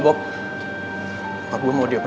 roman kelihatannya panik banget